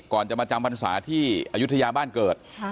ก่อนจะมาจำพรรษาที่อายุทยาบ้านเกิด